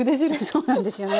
そうなんですよね。